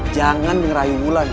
jangan ngerayu wulan